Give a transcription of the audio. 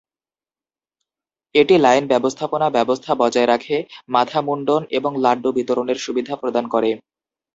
এটি লাইন ব্যবস্থাপনা ব্যবস্থা বজায় রাখে, মাথা মুণ্ডন এবং লাড্ডু বিতরণের সুবিধা প্রদান করে।